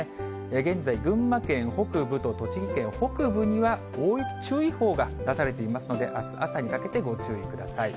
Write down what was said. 現在、群馬県北部と栃木県北部には、大雪注意報が出されていますので、あす朝にかけて、ご注意ください。